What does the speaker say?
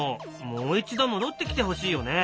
もう一度戻ってきてほしいよね。